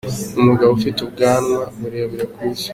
Umugabo ufite ubwanwa burere ku isi